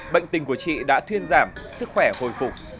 bệnh tình của chị đã thuyên giảm sức khỏe hồi phục